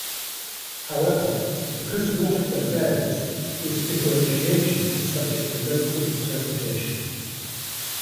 However, because water flow varies, this differentiation is subject to local interpretation.